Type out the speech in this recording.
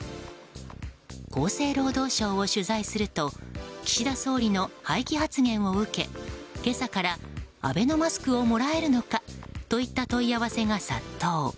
厚生労働省を取材すると岸田総理の廃棄発言を受け今朝からアベノマスクをもらえるのかといった問い合わせが殺到。